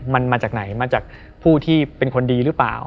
มันมาจากไหนมาจากผู้ที่เป็นคนดีหรือเปล่า